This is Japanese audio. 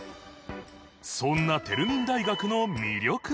そんなテルミン大学の魅力とは？